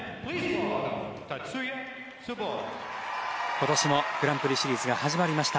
今年もグランプリシリーズが始まりました。